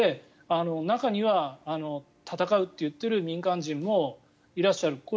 中には戦うと言っている民間人もいらっしゃる。